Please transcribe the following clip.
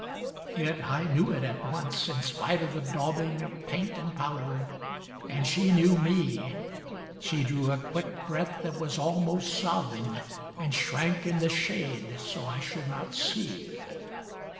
Yet I knew it at once, in spite of the daubing Of paint and powder, and she knew me; She drew a quick breath that was almost sobbing And shrank in the shade so I should not see.